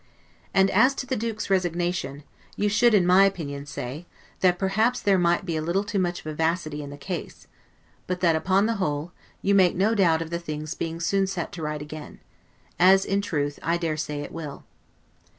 And as to the Duke's resignation; you should, in my opinion, say, that perhaps there might be a little too much vivacity in the case, but that, upon the whole, you make no doubt of the thing's being soon set right again; as, in truth, I dare say it will.